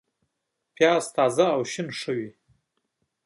پیاز تازه او شین ښه وي